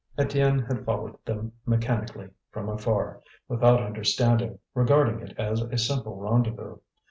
Étienne had followed them mechanically, from afar, without understanding, regarding it as a simple rendezvous.